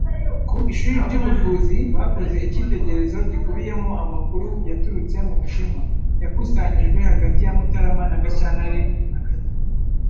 ku ishuri ry’ubuvuzi bakoze icyitegererezo gikubiyemo amakuru yaturutse mu Bushinwa yakusanyijwe hagati ya Mutarama na Gashyantare hagati